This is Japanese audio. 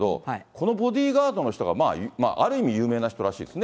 このボディーガードの人が、まあある意味有名な人らしいですね。